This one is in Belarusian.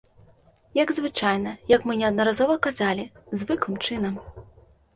Як звычайна, як мы неаднаразова казалі, звыклым чынам.